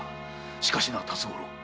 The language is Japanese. しかしな辰五郎。